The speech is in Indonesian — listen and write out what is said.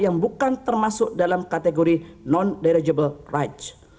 yang bukan termasuk dalam kategori non derajable rights